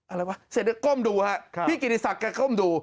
อะไรวะเศษเนื้อก้มดูค่ะพี่กินิสักแกก้มดู